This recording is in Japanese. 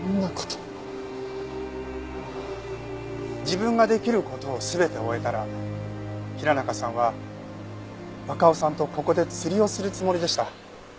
自分ができる事を全て終えたら平中さんは若尾さんとここで釣りをするつもりでした。